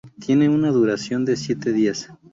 Tiene una duración de siete días.